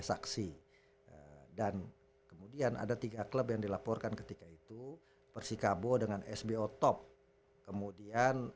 saksi dan kemudian ada tiga klub yang dilaporkan ketika itu persikabo dengan sbo top kemudian